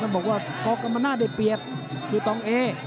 ก็บอกว่าก็มันน่าได้เปรียบคือต้องเอ